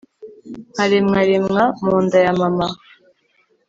nkaremwaremwa mu nda ya mama